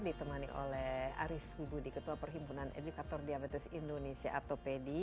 ditemani oleh aris widudi ketua perhimpunan edukator diabetes indonesia atau pdi